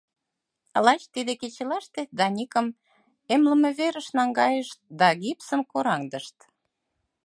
Лач тиде кечылаште Даникым эмлымверыш наҥгайышт да гипсым кораҥдышт.